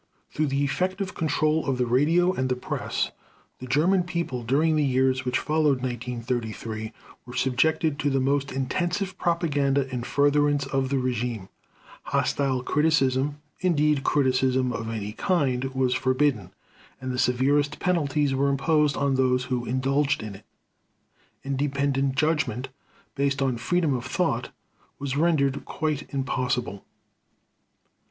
Through the effective control of the radio and the press, the German People, during the years which followed 1933, were subjected to the most intensive propaganda in furtherance of the regime. Hostile criticism, indeed criticism of any kind, was forbidden, and the severest penalties were imposed on those who indulged in it. Independent judgment, based on freedom of thought, was rendered quite impossible.